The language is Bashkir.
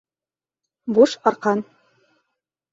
Буш арҡан.